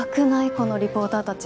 このリポーターたち。